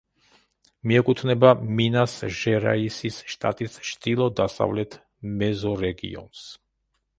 მიეკუთვნება მინას-ჟერაისის შტატის ჩრდილო-დასავლეთ მეზორეგიონს.